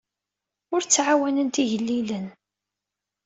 Ur ttɛawanent igellilen.